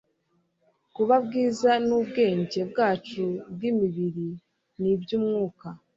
kuba bwiza n'ubwenge bwacu bw'imibiri n'iby'umwuka.